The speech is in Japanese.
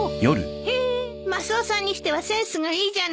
へえマスオさんにしてはセンスがいいじゃないの。